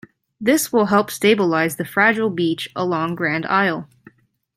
This will help stabilize the fragile beach along Grand Isle.